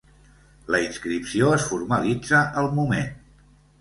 La inscripció es formalitza al moment.